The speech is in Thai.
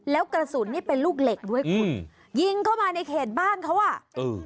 แล้วกระสุนนี่เป็นลูกเหล็กด้วยคุณยิงเข้ามาในเขตบ้านเขาอ่ะเออ